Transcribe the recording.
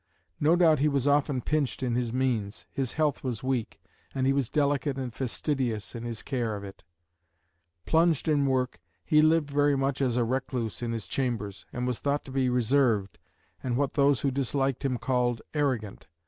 No doubt he was often pinched in his means; his health was weak, and he was delicate and fastidious in his care of it. Plunged in work, he lived very much as a recluse in his chambers, and was thought to be reserved, and what those who disliked him called arrogant.